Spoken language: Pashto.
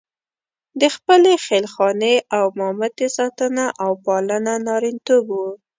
د خپلې خېل خانې او مامتې ساتنه او پالنه نارینتوب وو.